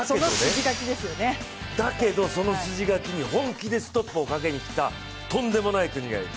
だけど、その筋書きに本気でストップをかけにきたとんでもない国がいる。